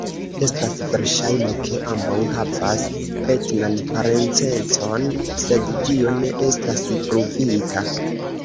Estas verŝajne ke ambaŭ havas etnan parencecon sed tio ne estas pruvita.